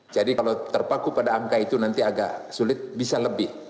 jadi kalau terpaku pada angka itu nanti agak sulit bisa lebih